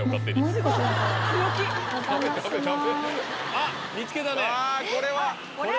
あっ見つけたねわ